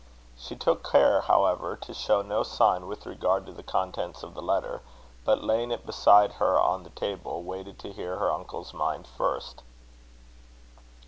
She took care, however, to show no sign with regard to the contents of the letter; but, laying it beside her on the table, waited to hear her uncle's mind first.